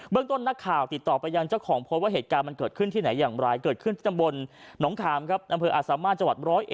เบื้องต้นนักข่าวติดต่อไปยังเจ้าของโพสต์ว่าเหตุการณ์มันเกิดขึ้นที่ไหนอย่างไรเกิดขึ้นที่ตำบลหนองคามครับ